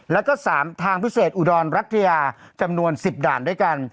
แล้วก็๓ทางพิเศษอุดรรัฐยาจำนวน๑๐ด่านด้วยกัน